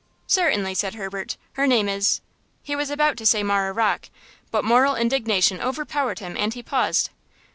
"Certainly," said Herbert. "Her name is"–He was about to say Marah Rocke, but moral indignation overpowered him and he paused.